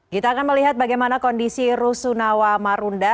kita akan melihat bagaimana kondisi rusunawa marunda